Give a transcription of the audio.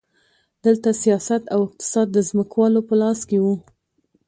دلته سیاست او اقتصاد د ځمکوالو په لاس کې وو.